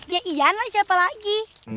ya ian lah siapa lagi